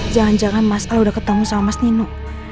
jangan jangan mas a udah ketemu sama mas nino